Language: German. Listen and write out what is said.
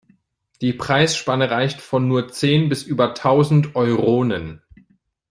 Die Preisspanne reicht von nur zehn bis über tausend Euronen.